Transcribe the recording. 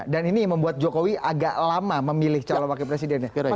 dan ini membuat jokowi agak lama memilih calon wakil presidennya